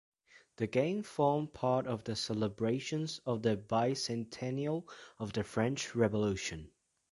The game formed part of the celebrations of the bi-centennial of the French Revolution.